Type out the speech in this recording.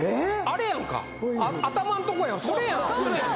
あれやんか頭のとこやん